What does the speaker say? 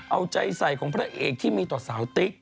เอาใจใส่ของพระเอกที่มีต่อสาวติ๊ก